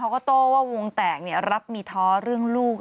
โต้ว่าวงแตกรับมีท้อเรื่องลูก